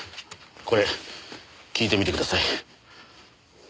これ聞いてみてください。